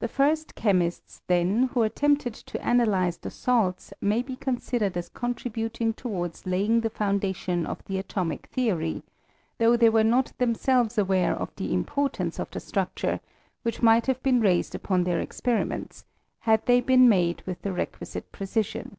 The first chemists, then, who attempted to analyze the salts may he considered as contributing towards laying the foundation of the atomic theory, though they were not themselves aware of the importance of the structure which might have been raised upon OF THE ATOMIC THEORY. 279 their experiments, had they been made with the re quisite precision.